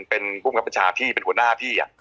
ปัญชาพี่เป็นหัวหน้าพี่